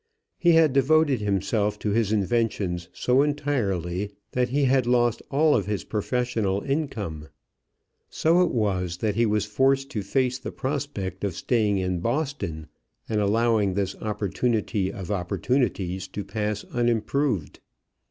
He had devoted himself to his inventions so entirely that he had lost all of his professional income. So it was that he was forced to face the prospect of staying in Boston and allowing this opportunity of opportunities to pass unimproved.